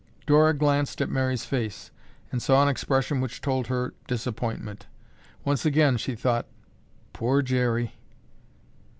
Dora glanced at Mary's face and saw an expression which told her disappointment. Once again she thought, "Poor Jerry!"